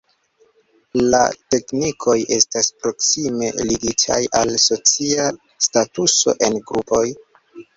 La teknikoj estas proksime ligitaj al socia statuso en grupoj.